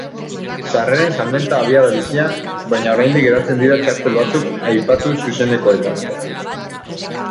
Sarreren salmenta abiada bizian, baina oraindik geratzen dira txartel batzuk aipatu zuzenekoetarako.